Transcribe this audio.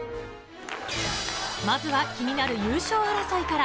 まずは気になる優勝争いから。